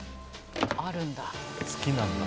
あるんだ。